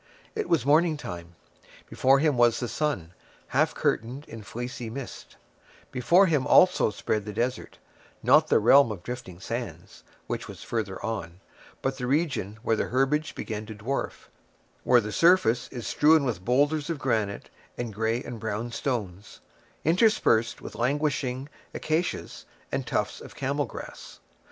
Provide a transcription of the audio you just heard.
It was morning time. Before him was the sun, half curtained in fleecy mist; before him also spread the desert; not the realm of drifting sands, which was farther on, but the region where the herbage began to dwarf; where the surface is strewn with boulders of granite, and gray and brown stones, interspersed with languishing acacias and tufts of camel grass.